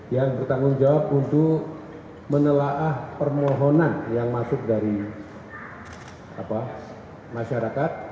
yang bertanggung jawab untuk menelaah permohonan yang masuk dari masyarakat